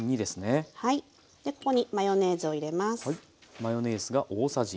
でここにマヨネーズを入れます。